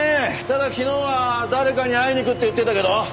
ただ昨日は誰かに会いに行くって言ってたけど。